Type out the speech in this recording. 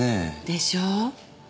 でしょう？